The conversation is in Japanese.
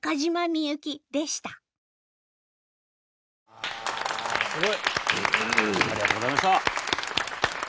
わあすごい！ありがとうございました。